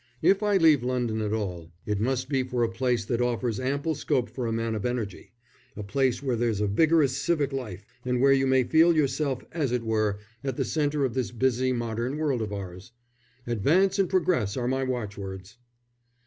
If I leave London at all it must be for a place that offers ample scope for a man of energy, a place where there's a vigorous civic life, and where you may feel yourself, as it were, at the centre of this busy modern world of ours. Advance and progress are my watchwords."